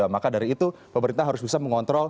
maka dari itu pemerintah harus bisa mengontrol